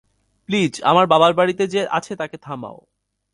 Please, আমার বাবার বাড়িতে যে আছে তাকে থামাও।